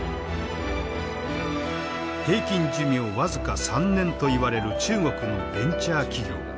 平均寿命僅か３年といわれる中国のベンチャー企業。